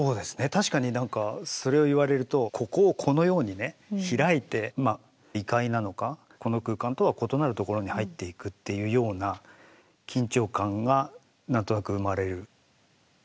確かになんかそれを言われるとここをこのようにね開いてまあ異界なのかこの空間とは異なる所に入っていくっていうような緊張感が何となく生まれる。